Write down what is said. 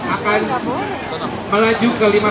akan melaju ke